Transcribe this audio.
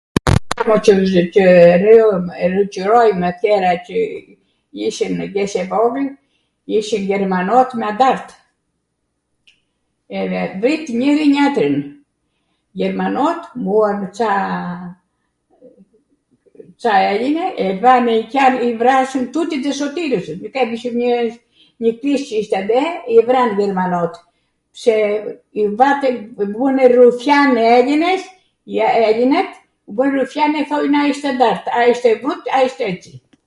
...qeron qw rojm atera qw ish qw jesh e vogwl, ishnw jermanot me andartw edhe vrit njwri-njatrin, jermanot muar ca ca eline edhe vanw i vrasin tuti ndw Sotirw, njw kish q' isht ande, i vran jermanot, pse i vate, vunw rufjan elines, vun rufjan edhe thoj ai wsht andart, ai wsht eci.